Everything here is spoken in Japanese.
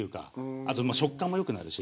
あと食感もよくなるし。